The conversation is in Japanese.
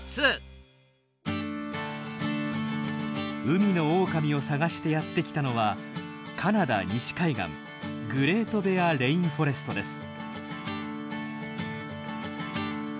海のオオカミを探してやって来たのはカナダ西海岸グレートベアレインフォレストです。